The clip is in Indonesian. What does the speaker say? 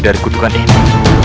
dari kedugaan ini